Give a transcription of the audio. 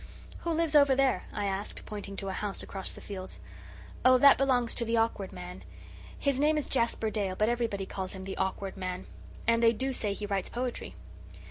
"Who lives over there?" I asked, pointing to a house across the fields. "Oh, that belongs to the Awkward Man. His name is Jasper Dale, but everybody calls him the Awkward Man. And they do say he writes poetry.